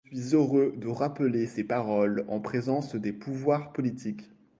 Je suis heureux de rappeler ces paroles en présence des pouvoirs publics.